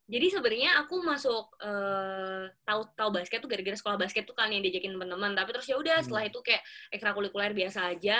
jadi sebenernya aku masuk tau tau basket tuh gara gara sekolah basket tuh kan yang diajakin temen temen tapi terus yaudah setelah itu kayak ekra kulit kuliah biasa aja